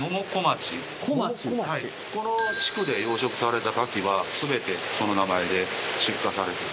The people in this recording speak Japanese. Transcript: この地区で養殖された牡蠣は全てその名前で出荷されてる。